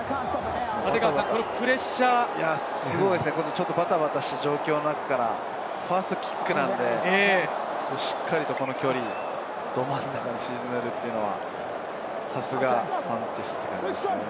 ちょっとバタバタした状況の中からファーストキックなのでしっかりとこの距離、ど真ん中に沈めるというのは、さすがサンチェスという感じですね。